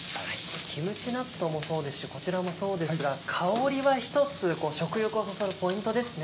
キムチ納豆もそうですしこちらもそうですが香りは一つ食欲をそそるポイントですね。